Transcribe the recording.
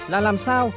là làm sao